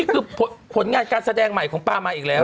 นี่คือของผลงานการแสดงใหม่ของป่ามาอีกแล้ว